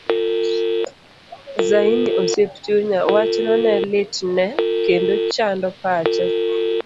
Zaini osiep chunya, wachno ne litne kendo chando pache.